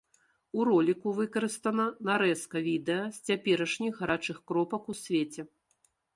У роліку выкарыстана нарэзка відэа з цяперашніх гарачых кропак у свеце.